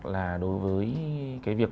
là đối với cái việc